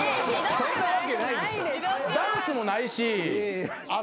そんなわけないでしょ！